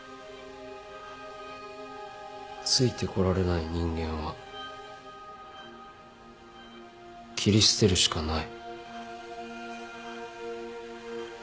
付いてこられない人間は切り捨てるしかない。